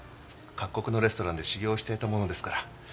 各国のレストランで修業をしていたものですから。